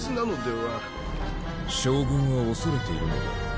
将軍は恐れているのだ。